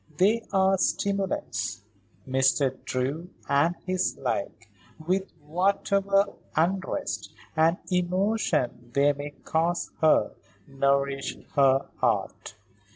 They are stimulants. Mr. Drew and his like, with whatever unrest and emotion they may cause her, nourish her art.